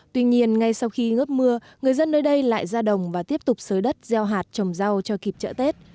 tuy nhiên ngay sau khi ngớp mưa người dân nơi đây lại ra đồng và tiếp tục sới đất gieo hạt trồng rau cho kịp chợ tết